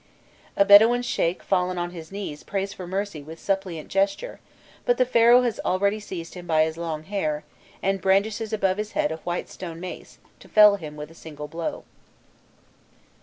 A Bedouin sheikh fallen on his knees prays for mercy with suppliant gesture, but Pharaoh has already seized him by his long hair, and brandishes above his head a white stone mace to fell him with a single blow.